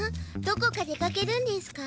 どこか出かけるんですか？